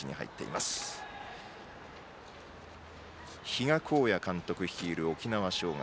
比嘉公也監督率いる沖縄尚学。